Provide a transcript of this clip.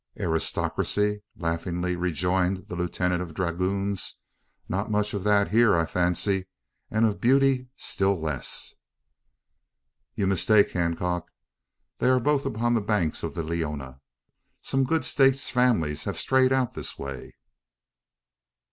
"Aristocracy?" laughingly rejoined the lieutenant of dragoons. "Not much of that here, I fancy; and of beauty still less." "You mistake, Hancock. There are both upon the banks of the Leona. Some good States families have strayed out this way.